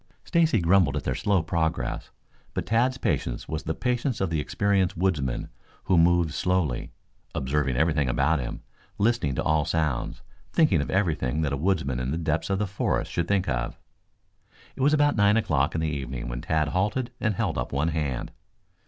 Stacy grumbled at their slow progress, but Tad's patience was the patience of the experienced woodsman who moved slowly, observing everything about him, listening to all sounds, thinking of everything that a woodsman in the depth of the forest should think of. It was about nine o'clock in the evening when Tad halted and held up one hand.